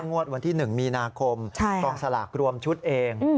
งวดวันที่๑มีนาคมกองสลากรวมชุดเอง